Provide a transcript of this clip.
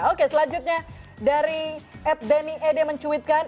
oke selanjutnya dari at deni ede mencuitkan